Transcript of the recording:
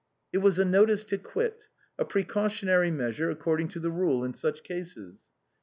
" It was a notice to quit ; a precautionary measure, ac cording to the rule in such cases."